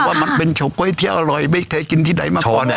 ว่ามันเป็นโชโก้เที่ยวอร่อยไม่เคยกินที่ใดมากกว่า